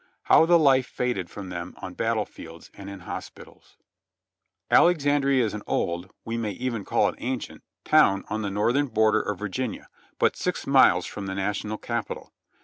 How the life faded from them on battle fields and in hospitals. Alexandria is an old, we may even call it an ancient, town on the northern border of Virginia, but six miles from the National Capital.